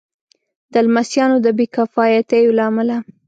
د لمسیانو د بې کفایتیو له امله.